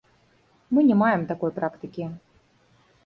Мы не маем такой практыкі.